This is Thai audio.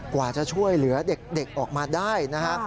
กว่าจะช่วยเหลือเด็กออกมาได้นะฮะ